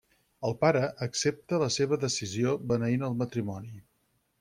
El pare accepta la seva decisió beneint el matrimoni.